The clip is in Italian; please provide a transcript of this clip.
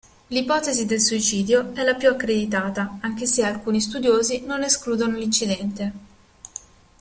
L'ipotesi del suicidio è la più accreditata, anche se alcuni studiosi non escludono l'incidente.